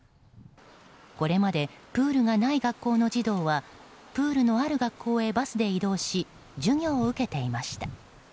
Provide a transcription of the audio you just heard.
これまでプールがない学校の児童はプールのある学校へバスで移動し授業を受けていました。